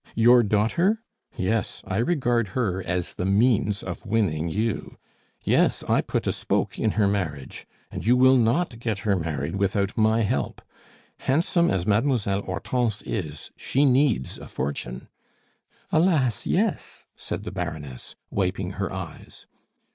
Your daughter? Yes, I regard her as the means of winning you. Yes, I put a spoke in her marriage and you will not get her married without my help! Handsome as Mademoiselle Hortense is, she needs a fortune " "Alas! yes," said the Baroness, wiping her eyes.